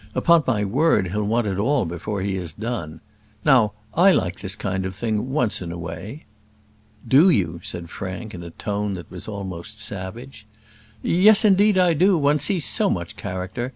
Upon my word, he'll want it all before he has done. Now, I like this kind of thing once in a way." "Do you?" said Frank, in a tone that was almost savage. "Yes; indeed I do. One sees so much character.